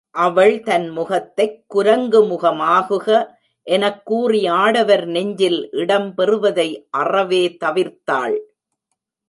அவள் தன்முகத்தைக் குரங்கு முகமாகுக எனக் கூறி ஆடவர் நெஞ்சில் இடம் பெறுவதை அறவே தவிர்த்தாள்.